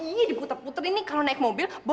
iyy diputer puter ini kalau naik mobil boleh mah